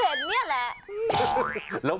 พี่เขาเปียกหมดแล้วนะ